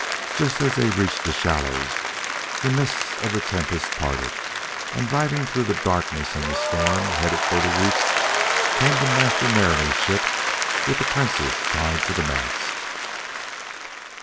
Just as they reached the shallows, the mists of the tempest parted, and driving through the darkness and the storm, headed for the reefs, came the Master Mariner's ship with the Princess tied to the mast.